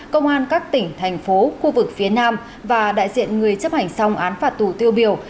công an các tỉnh thành phố khu vực phía nam và đại diện người chấp hành xong án phạt tù tiêu biểu